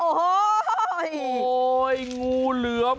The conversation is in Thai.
โอ้โหงูเหลือม